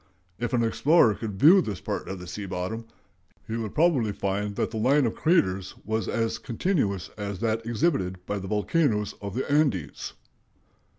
If an explorer could view this part of the sea bottom, he would probably find that the line of craters was as continuous as that exhibited by the volcanoes of the Andes.